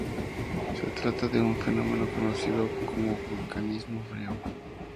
Se trata de un fenómeno conocido como vulcanismo frío.